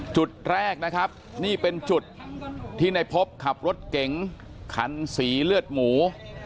จุดแรกนะครับนี่เป็นจุดที่ในพบขับรถเก๋งคันสีเลือดหมู